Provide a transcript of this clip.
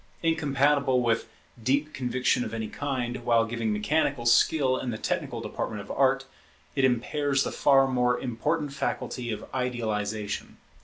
Incompatible with deep conviction of any kind, while giving mechanical skill in the technical department of Art, it impairs the far more important faculty of idealization.